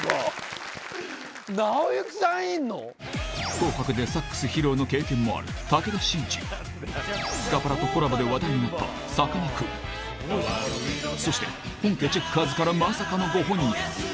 『紅白』でサックス披露の経験もあるスカパラとコラボで話題になったそして本家チェッカーズからまさかのご本人